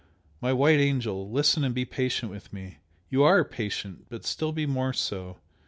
My white angel, listen and be patient with me! You ARE patient but still be more so!